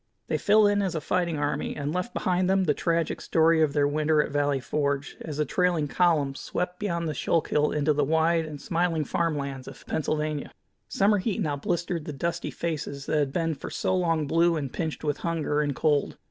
They fell in as a fighting army, and left behind them the tragic story of their winter at Valley Forge, as the trailing columns swept beyond the Schuylkill into the wide and smiling farm lands of Pennsylvania. Summer heat now blistered the dusty faces that had been for so long blue and pinched with hunger and cold.